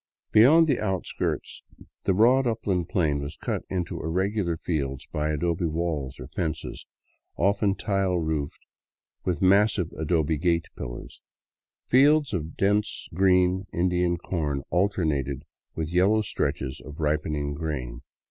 Beyond the outskirts the broad upland plain was cut into ir regular fields by adobe walls or fences, often tile roofed, with massive adobe gate pillars. Fields dense with green Indian corn alternated with yellow stretches of ripening grain.